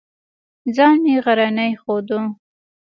ځان مې غرنی ښوده.